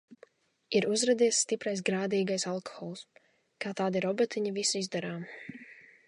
Ir uzradies stiprais grādīgais alkohols. Kā tādi robotiņi visu izdarām.